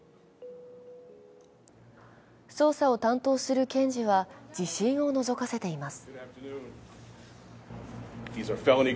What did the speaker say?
捜査を担当する検事は自信をのぞかせています。